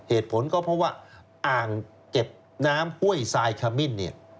เหตุผลก็เพราะว่าอ่างเก็บน้ำห้วยทรายขมิ้นเนี่ย